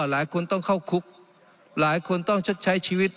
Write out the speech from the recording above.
หลายคนต้องเข้าคุกหลายคนต้องชดใช้ชีวิต